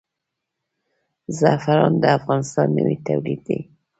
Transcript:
زعفران د افغانستان نوی تولید دی.